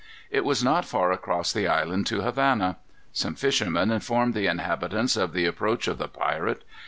It was not far across the island to Havana. Some fishermen informed the inhabitants of the approach of the pirate.